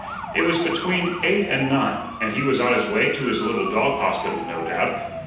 It was between eight and nine, and he was on his way to his little dog hospital, no doubt.